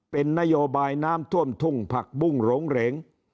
เป็นนโยบายน้ำท่วมทุ่งผักบุ้งหลงเหรง